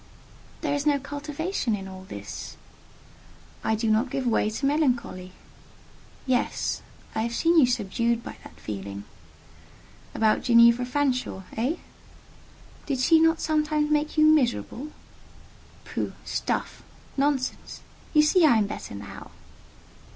"There is no cultivation in all this." "I do not give way to melancholy." "Yes: I have seen you subdued by that feeling." "About Ginevra Fanshawe—eh?" "Did she not sometimes make you miserable?" "Pooh! stuff! nonsense! You see I am better now."